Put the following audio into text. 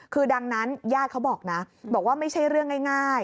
คือดังนั้นญาติเขาบอกนะบอกว่าไม่ใช่เรื่องง่าย